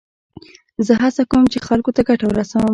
زه هڅه کوم، چي خلکو ته ګټه ورسوم.